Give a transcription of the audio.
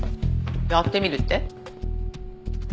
やってみるって？